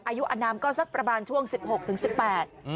อายุอนามก็สักประมาณช่วง๑๖๑๘อืม